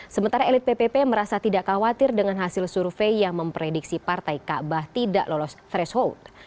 sementara elit ppp merasa tidak khawatir dengan hasil survei yang memprediksi partai kaabah tidak lolos threshold